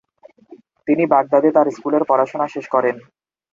তিনি বাগদাদে তার স্কুলের পড়াশোনা শেষ করেন।